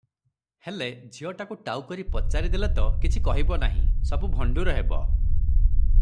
ହେଲେ, ଝିଅଟାକୁ ଟାଉକରି ପଚାରି ଦେଲେ ତ କିଛି କହିବ ନାହିଁ, ସବୁ ଭଣ୍ଡୁର ହେବ ।